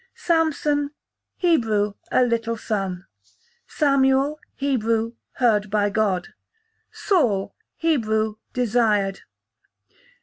Samson, Hebrew, a little son. Samuel, Hebrew, heard by God. Saul, Hebrew, desired.